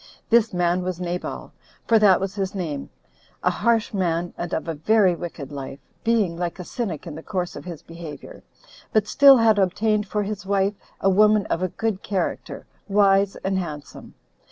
This man was Nabal, for that was his name,a harsh man, and of a very wicked life, being like a cynic in the course of his behavior, but still had obtained for his wife a woman of a good character, wise and handsome.